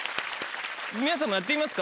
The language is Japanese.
皆さんもやってみますか？